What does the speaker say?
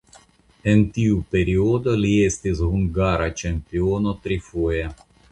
En tiu periodo li estis hungara ĉampiono trifoje.